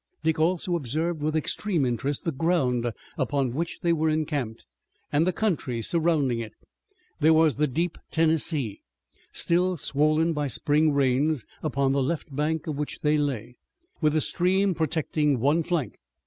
Dick also observed with extreme interest the ground upon which they were encamped and the country surrounding it. There was the deep Tennessee, still swollen by spring rains, upon the left bank of which they lay, with the stream protecting one flank.